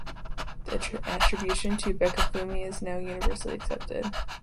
The attribution to Beccafumi is now universally accepted.